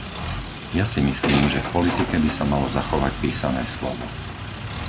Ja si myslím, že v politike by sa malo zachovať písané slovo.